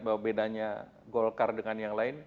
bahwa bedanya golkar dengan yang lain